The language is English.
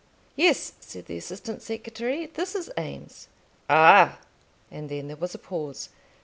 "Yes," said the assistant secretary, "this is Eames." "Ah!" and then there was a pause.